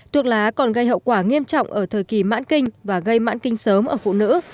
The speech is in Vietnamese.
thuốc lá còn gây hậu quả nghiêm trọng ở thời kỳ mãn kinh và gây mãn kinh sớm ở phụ nữ